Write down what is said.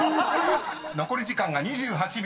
［残り時間が２８秒７７］